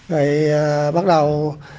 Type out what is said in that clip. rồi bắt đầu